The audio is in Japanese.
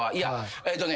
えっとね